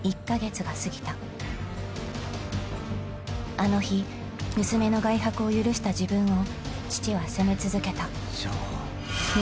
［あの日娘の外泊を許した自分を父は責め続けた］